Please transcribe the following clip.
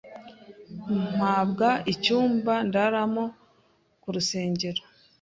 mpbwa icyumba ndaramo ku rusengero